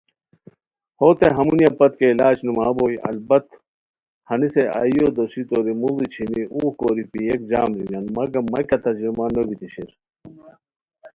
ہوتے ہمونیہ پت کیہ علاج نُما بوئے البتہ ہنیسے آئییو دوسی توری موڑی چھینی اوغ کوری پیئیک جم رینیان مگم مہ کیہ تجربہ نو بیتی شیر